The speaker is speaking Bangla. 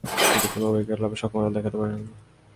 কিন্তু কোন উইকেট লাভে সক্ষমতা দেখাতে পারেননি।